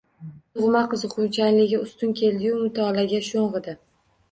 Tug`ma qiziquvchanligi ustun keldi-yu, mutolaaga sho`ng`idi